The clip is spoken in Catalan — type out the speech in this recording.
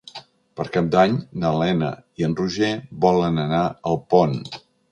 Per Cap d'Any na Lena i en Roger volen anar a Alpont.